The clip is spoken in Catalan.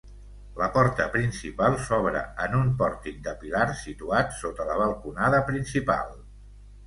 La porta principal s'obre en un pòrtic de pilars, situat sota la balconada principal.